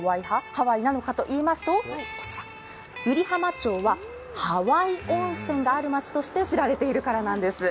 ハワイなのかといいますと、こちら湯梨浜町は羽合温泉がある町として知られているからなんです。